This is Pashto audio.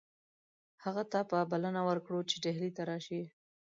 هغه ته به بلنه ورکړو چې ډهلي ته راشي.